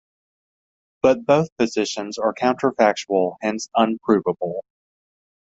But both positions are counterfactual, hence un-provable.